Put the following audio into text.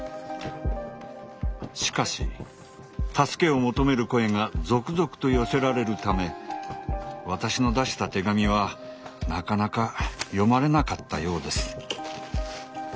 しかし助けを求める声が続々と寄せられるため私の出した手紙はなかなか読まれなかったようです。